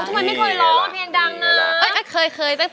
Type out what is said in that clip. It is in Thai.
ทำไมไม่เคยร้องเพลงดังอ่ะ